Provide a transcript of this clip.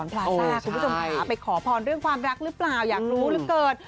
วันก่อนเรื่องความรักหรือเปล่าอยากรู้หรือเกิด